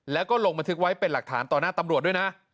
แล้วก็ลงบันทึกไว้เป็นหลักฐานต่อหน้าตำรวจด้วยนะ